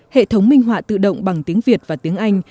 hệ thống minh họa tự động bằng tiếng việt và tiếng anh